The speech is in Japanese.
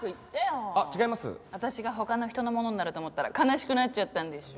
私が他の人のものになると思ったら悲しくなっちゃったんでしょ？